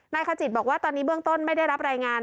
ขจิตบอกว่าตอนนี้เบื้องต้นไม่ได้รับรายงาน